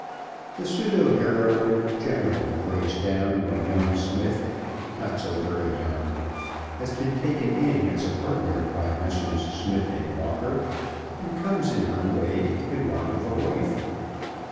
The pseudo heroine generally breaks down when young Smith, not so very young, has been taken in as a partner by Messrs. Smith and Walker, and comes in her way, in want of a wife.